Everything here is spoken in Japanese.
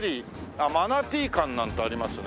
あっマナティー館なんてありますね。